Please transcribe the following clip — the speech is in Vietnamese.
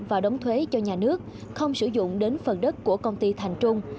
và đóng thuế cho nhà nước không sử dụng đến phần đất của công ty thành trung